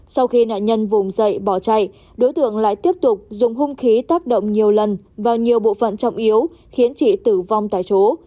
sau khi nạn nhân vùng dậy bỏ chạy đối tượng lại tiếp tục dùng hung khí tác động nhiều lần vào nhiều bộ phận trọng yếu khiến chị tử vong tại chỗ